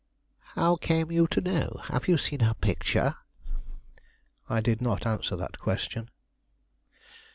"How came you to know? Have you seen her picture?" I did not answer that question.